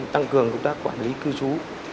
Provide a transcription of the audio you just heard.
tăng cường công tác quản lý cư trú